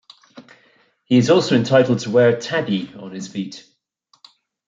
He is also entitled to wear "tabi" on his feet.